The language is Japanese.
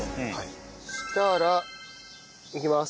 そしたらいきます。